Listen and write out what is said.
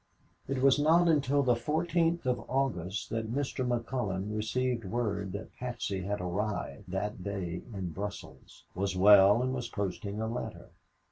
It was not until the 14th of August that Mr. McCullon received word that Patsy had arrived that day in Brussels, was well and was posting a letter.